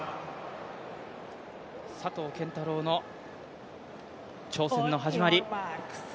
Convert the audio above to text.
佐藤拳太郎の挑戦の始まり。